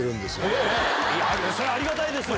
それはありがたいです。